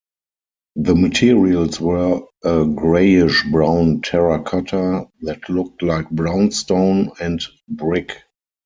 The materials were a grayish-brown terra cotta that looked like brownstone, and brick.